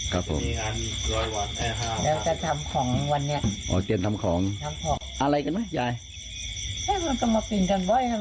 แค่มันก็มาปิ่นกันบ่อยทำไมเห็นมันตลอดก่อนซะสินะ